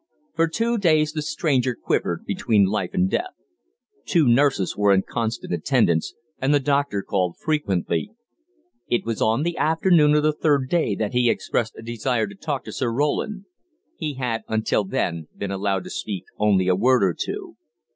For two days the stranger quivered between life and death. Two nurses were in constant attendance, and the doctor called frequently. It was on the afternoon of the third day that he expressed a desire to talk to Sir Roland; he had, until then, been allowed to speak only a word or two.